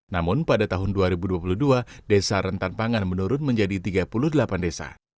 namun pada tahun dua ribu dua puluh dua desa rentan pangan menurun menjadi tiga puluh delapan desa